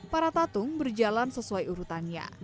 para tatung berjalan sepenuhnya